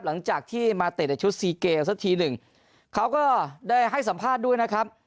หลังจากที่มาเตะในชุดซีเกลสักทีหนึ่งเขาก็ได้ให้สัมภาษณ์ด้วยนะครับ